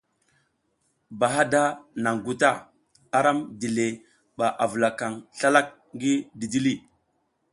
Bahada naŋ guta, aram dile ɓa avulakaŋ slalak ngi didili.